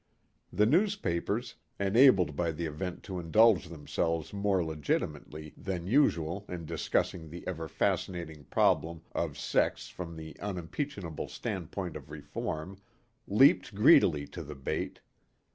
The newspapers, enabled by the event to indulge themselves more legitimately than usual in discussing the ever fascinating problem of sex from the unimpeachable standpoint of reform, leaped greedily to the bait.